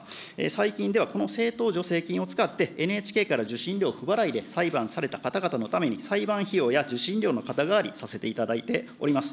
最近では、この政党助成金を使ってＮＨＫから受信料不払いで裁判された方々のために、裁判費用や受信料の肩代わり、させていただいております。